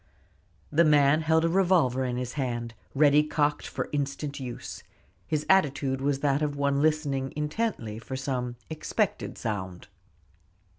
The man held a revolver in his hand, ready cocked for instant use. His attitude was that of one listening intently for some expected sound.